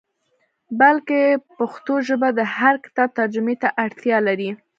بلکې پښتو ژبه د هر کتاب ترجمې ته اړتیا لري.